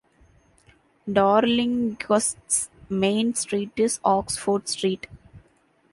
Darlinghurst's main street is Oxford Street.